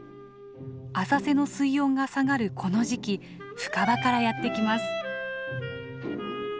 浅瀬の水温が下がるこの時期深場からやって来ます。